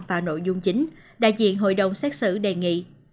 vào nội dung chính đại diện hội đồng xét xử đề nghị